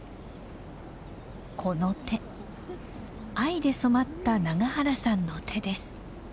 この手藍で染まった永原さんの手です。